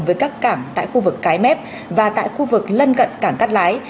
với các cảng tại khu vực cái mép và tại khu vực lân cận cảng cắt lái